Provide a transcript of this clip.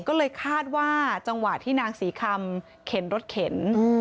ก็เลยคาดว่าจังหวะที่นางศรีคำเข็นรถเข็น